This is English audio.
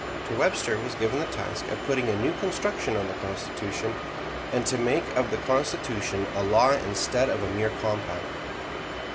To Webster was given the task of putting a new construction on the Constitution, and to make of the Constitution a Law instead of a mere compact.